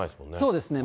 そうですね。